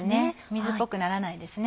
水っぽくならないです。